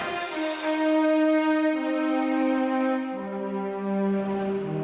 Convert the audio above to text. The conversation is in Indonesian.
tapi edo tidak tahu